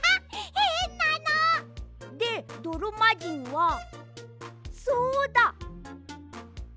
へんなの！でどろまじんはそうだ！